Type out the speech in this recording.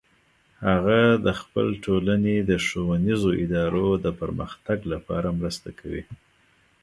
هغه د خپل ټولنې د ښوونیزو ادارو د پرمختګ لپاره مرسته کوي